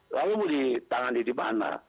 lalu mau ditangani di mana